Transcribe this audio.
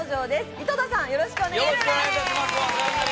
井戸田さん、よろしくお願いします。